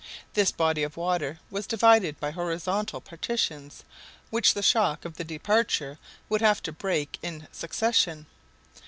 This body of water was divided by horizontal partitions, which the shock of the departure would have to break in succession.